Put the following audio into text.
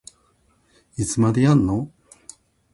いつまでやんの